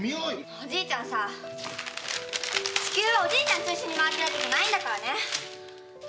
おじいちゃんさ地球はおじいちゃんと一緒に回ってるわけじゃないんだからね。